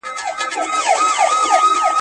سالم ذهن غوسه نه خپروي.